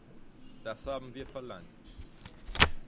Das haben wir verlangt.